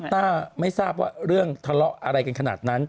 ต้าไม่ทราบว่าเรื่องทะเลาะอะไรกันขนาดนั้น